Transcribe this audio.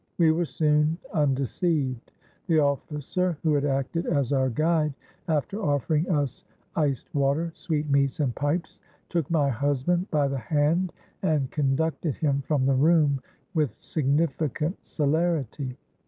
We were soon undeceived. The officer who had acted as our guide, after offering us iced water, sweetmeats, and pipes, took my husband by the hand, and conducted him from the room with significant celerity.